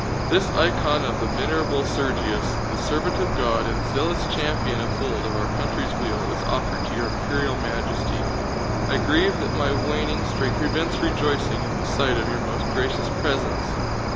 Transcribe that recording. This icon of the Venerable Sergius, the servant of God and zealous champion of old of our country's weal, is offered to Your Imperial Majesty. I grieve that my waning strength prevents rejoicing in the sight of your most gracious presence.